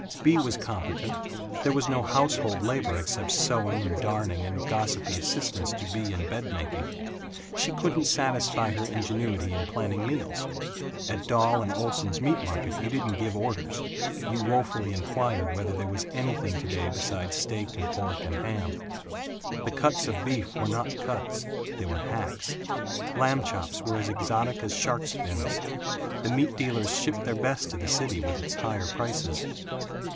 Bea was competent; there was no household labor except sewing and darning and gossipy assistance to Bea in bed making. She couldn't satisfy her ingenuity in planning meals. At Dahl & Oleson's Meat Market you didn't give orders you wofully inquired whether there was anything today besides steak and pork and ham. The cuts of beef were not cuts. They were hacks. Lamb chops were as exotic as sharks' fins. The meat dealers shipped their best to the city, with its higher prices.